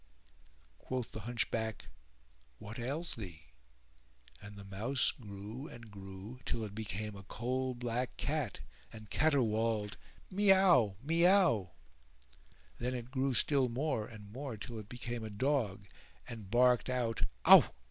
Quoth the Hunchback, "What ails thee?"; and the mouse grew and grew till it became a coal black cat and caterwauled "Meeao! Meeao!"[FN#419] Then it grew still more and more till it became a dog and barked out "Owh!